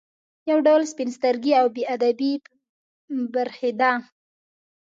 یو ډول سپین سترګي او بې ادبي برېښېده.